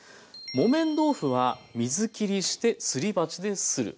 「木綿豆腐は水きりしてすり鉢でする」